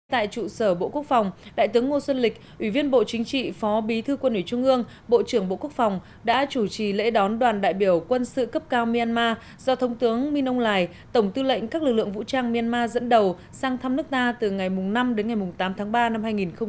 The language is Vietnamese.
tại trụ sở bộ quốc phòng đại tướng ngô xuân lịch ủy viên bộ chính trị phó bí thư quân ủy trung ương bộ trưởng bộ quốc phòng đã chủ trì lễ đón đoàn đại biểu quân sự cấp cao myanmar do thông tướng minh âu lài tổng tư lệnh các lực lượng vũ trang myanmar dẫn đầu sang thăm nước ta từ ngày năm đến ngày tám tháng ba năm hai nghìn một mươi chín